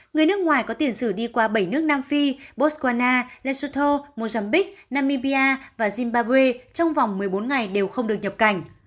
người nước ngoài có tiền sử đi qua bảy nước nam phi botswana lesoto mozambique namibia và zimbabwe trong vòng một mươi bốn ngày đều không được nhập cảnh